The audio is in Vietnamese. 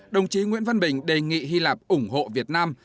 đồng chí nguyễn văn bình đề nghị hy lạp ủng hộ việt nam